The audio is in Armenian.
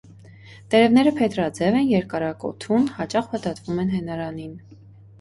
Տերևները փետրաձև են, երկարակոթուն, հաճախ փաթաթվում են հենարանին։